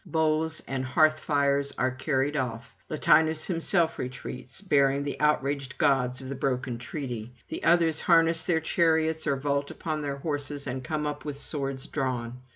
Bowls and hearth fires are carried off; Latinus himself retreats, bearing the outraged gods of the broken treaty. The others harness their chariots, or vault upon their horses and come up with swords drawn.